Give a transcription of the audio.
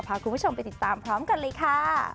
พาคุณผู้ชมไปติดตามพร้อมกันเลยค่ะ